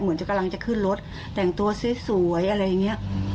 เหมือนจะกำลังจะขึ้นรถแต่งตัวสวยอะไรอย่างนี้